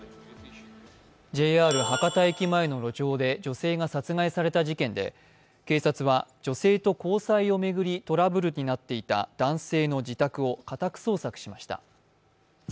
ＪＲ博多駅前の路上で女性が殺害された事件で警察は女性と交際を巡りトラブルになっていた男性の自宅を家宅捜索しました。